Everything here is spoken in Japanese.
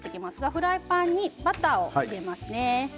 フライパンにバターを入れますね。